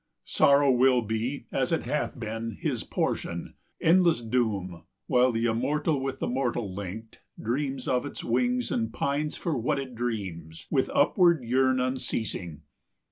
Sorrow will be, As it hath been, his portion; endless doom, While the immortal with the mortal linked Dreams of its wings and pines for what it dreams, 345 With upward yearn unceasing.